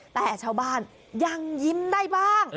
แต่ชาวบ้านยังยิ้มได้บ้าง